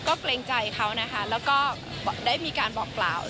ก็เกรงใจเขานะคะแล้วก็ได้มีการบอกกล่าว